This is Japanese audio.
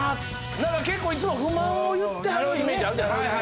何か結構いつも不満を言ってはるイメージあるじゃないですか？